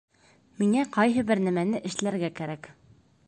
Миңә ҡайһы бер нәмәне эшләргә кәрәк